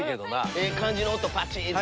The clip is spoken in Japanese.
ええ感じの音パチン！って。